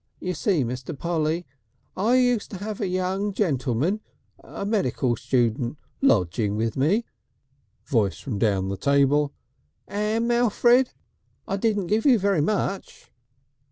You see, Mr. Polly, I used to 'ave a young gentleman, a medical student, lodging with me " Voice from down the table: "'Am, Alfred? I didn't give you very much."